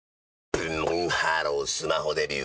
ブンブンハロースマホデビュー！